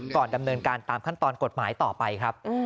ดำเนินการตามขั้นตอนกฎหมายต่อไปครับ